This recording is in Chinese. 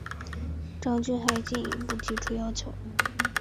张军还进一步提出要求